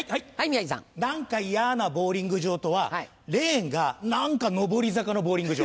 何か嫌なボウリング場とはレーンが何か上り坂のボウリング場。